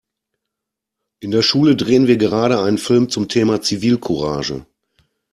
In der Schule drehen wir gerade einen Film zum Thema Zivilcourage.